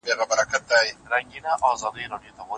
چي ملالي پکښي ګرځي د وطن پر ګودرونو